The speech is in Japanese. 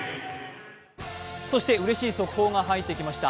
そしてうれしい速報が入ってきました。